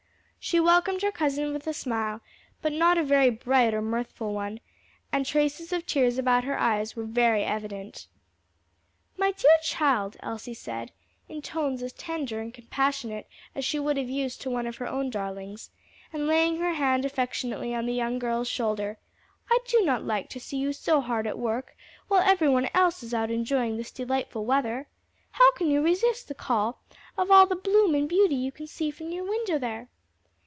She welcomed her cousin with a smile, but not a very bright or mirthful one, and traces of tears about her eyes were very evident. "My dear child," Elsie said, in tones as tender and compassionate as she would have used to one of her own darlings, and laying her hand affectionately on the young girl's shoulder, "I do not like to see you so hard at work while every one else is out enjoying this delightful weather. How can you resist the call of all the bloom and beauty you can see from your window there?"